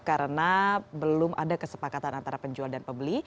karena belum ada kesepakatan antara penjual dan pembeli